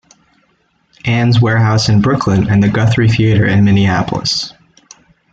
Ann's Warehouse in Brooklyn, and the Guthrie Theater in Minneapolis.